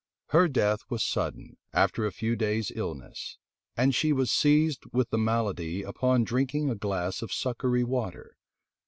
Her death was sudden, after a few days' illness; and she was seized with the malady upon drinking a glass of succory water.